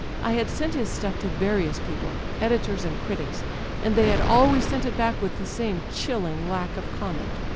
I had sent his stuff to various people â€" editors and critics â€" and they had always sent it back with the same chilling lack of comment.